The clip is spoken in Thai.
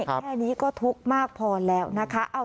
แค่นี้ก็ทุกข์มากพอแล้วนะคะ